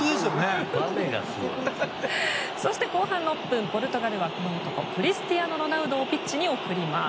そして後半６分ポルトガルはクリスティアーノ・ロナウドをピッチに送ります。